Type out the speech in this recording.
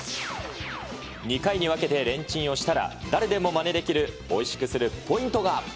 ２回に分けてレンチンをしたら、誰でもまねできる、おいしくするポイントが。